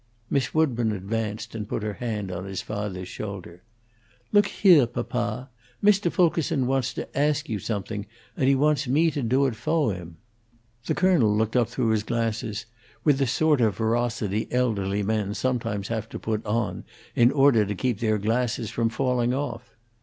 Miss Woodburn advanced and put her hand on her father's shoulder. "Look heah, papa! Mr. Fulkerson wants to ask you something, and he wants me to do it fo' him." The colonel looked up through his glasses with the sort of ferocity elderly men sometimes have to put on in order to keep their glasses from falling off.